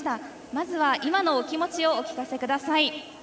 まずは今のお気持ちをお聞かせください。